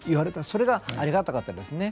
それがありがたかったですね。